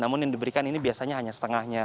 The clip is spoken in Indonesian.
namun yang diberikan ini biasanya hanya setengahnya